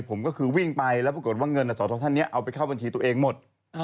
ผมก็คือวิ่งไปแล้วปรากฏว่าเงินสอทรท่านนี้เอาไปเข้าบัญชีตัวเองหมด